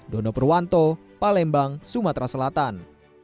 dono purwanto palembang sumatera selatan